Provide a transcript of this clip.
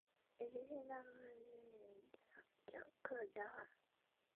卡纳比街是英国的一条街道。